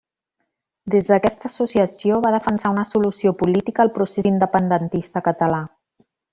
Des d'aquesta associació va defensar una solució política al procés independentista català.